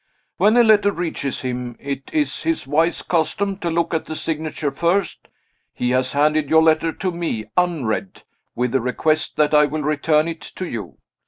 When a letter reaches him, it is his wise custom to look at the signature first. He has handed your letter to me, unread with a request that I will return it to you.